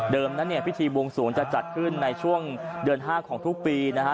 เดิมนั้นพิธีบวงสวงจะจัดขึ้นในช่วงเดือน๕ของทุกปีนะ